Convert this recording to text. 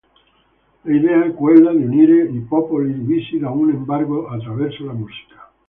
L'idea è quella di unire i popoli divisi da un embargo attraverso la musica.